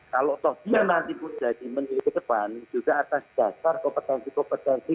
kalau dia nanti pun jadi menteri kegepan juga atas dasar kompetensi kompetensi